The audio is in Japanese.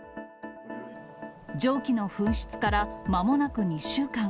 蒸気の噴出からまもなく２週間。